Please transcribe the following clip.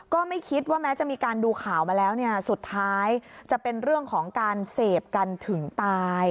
ก็ไม่คิดว่าแม้จะมีการดูข่าวมาแล้วเนี่ยสุดท้ายจะเป็นเรื่องของการเสพกันถึงตาย